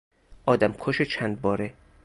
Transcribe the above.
آدمکش چندباره